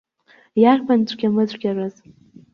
Иарбан цәгьамыцәгьараз?